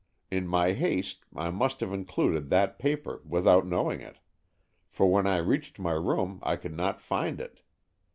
In my haste I must have included that paper without knowing it, for when I reached my room I could not find it.